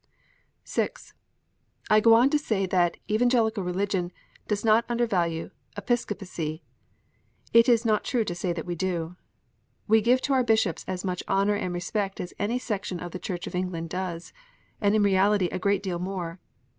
(6) I go on to say that Evangelical Religion does not under value Episcopacy. It is not true to say that we do. We give to our Bishops as much honour and respect as any section of the Church of England docs, and in reality a great deal more.